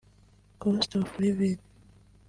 Cost Of Livin'